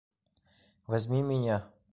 Возьми меня!